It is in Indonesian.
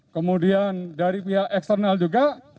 kemudian dari pihak eksternal juga